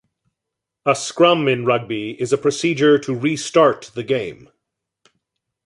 A scrum in rugby is a procedure to restart the game.